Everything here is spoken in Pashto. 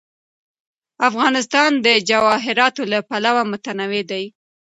افغانستان د جواهراتو له پلوه متنوع دی.